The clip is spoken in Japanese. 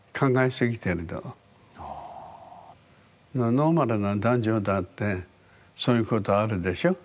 ノーマルな男女だってそういうことあるでしょ。